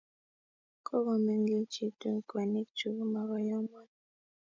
Kogo mengechitu kweinik chuk, makoyomon